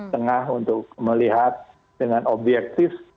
tengah untuk melihat dengan objektif